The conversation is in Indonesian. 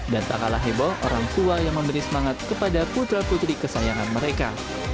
dan tak kalah heboh orang tua yang memberi semangat kepada putra putri kesayangan mereka